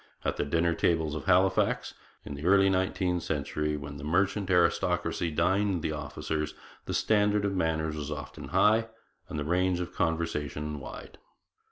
At the dinner tables of Halifax in the early nineteenth century, when the merchant aristocracy dined the officers, the standard of manners was often high and the range of the conversation wide.